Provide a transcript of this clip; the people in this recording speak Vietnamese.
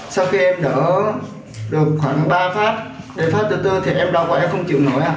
sau khi em đỡ được khoảng ba phát ba phát từ từ thì em đau quá em không chịu nổi ạ